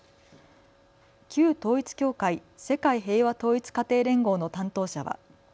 旧統一教会、世界平和統一家庭連合の担当者は。